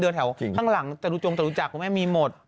เดินแถวข้างหลังแต่รู้จังแต่รู้จักคุณแม่มีหมด